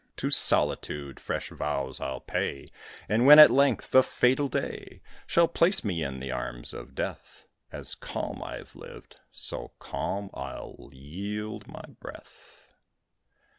To Solitude fresh vows I'll pay; And when, at length, the fatal day Shall place me in the arms of death, As calm I've lived, so calm I'll yield my breath.